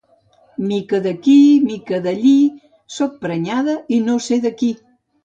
Mica d'aquí, mica d'allí, soc prenyada i no sé de qui.